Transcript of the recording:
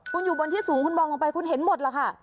คุณอยู่บนที่สูงคุณมองลงไปคุณเห็นหมดล่ะค่ะ